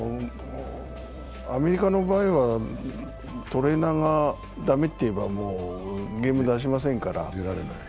アメリカの場合は、トレーナーが駄目と言えば、もうゲーム出しませんから。